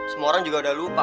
semua orang juga udah lupa